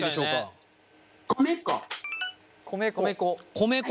米粉。